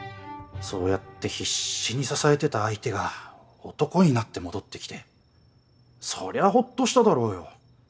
そうやって必死に支えてた相手が男になって戻ってきてそりゃあほっとしただろうよ。